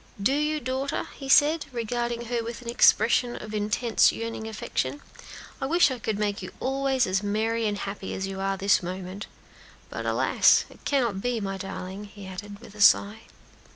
"Do you, daughter?" he said, regarding her with an expression of intense yearning affection; "I wish I could make you always as gay and happy as you are at this moment. But alas! it cannot be, my darling," he added with a sigh.